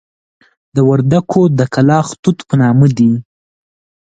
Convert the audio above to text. د وردکو د کلاخ توت په نامه دي.